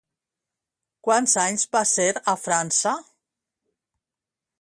Quants anys va ser a França?